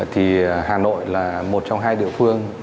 thì hà nội là một trong hai địa phương